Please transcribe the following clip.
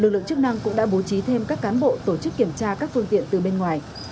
lực lượng chức năng cũng đã bố trí thêm các cán bộ tổ chức kiểm tra các phương tiện từ bên ngoài